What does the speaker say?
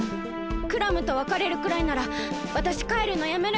クラムとわかれるくらいならわたしかえるのやめる！